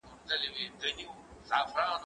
زه اجازه لرم چي موبایل کار کړم!؟